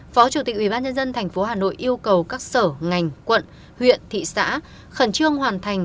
phó chủ tịch ubnd tp hà nội yêu cầu các sở ngành quận huyện thị xã khẩn trương hoàn thành